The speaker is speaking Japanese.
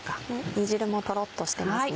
煮汁もトロっとしてますね。